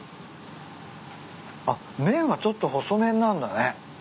あっ麺はちょっと細麺なんだね。